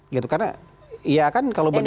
gitu karena ya kan kalau